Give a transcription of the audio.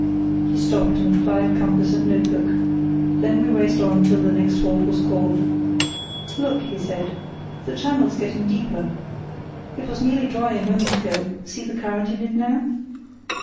He stopped, and plied compass and notebook. Then we raced on till the next halt was called. "Look," he said, the channel's getting deeper, it was nearly dry a moment ago; see the current in it now?